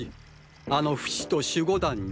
あのフシと守護団に。